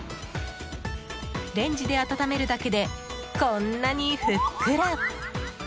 レンジで温めるだけでこんなにふっくら！